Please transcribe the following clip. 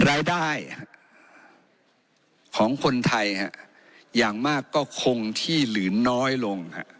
รายได้ของคนไทยอย่างมากก็คงที่หรือน้อยลง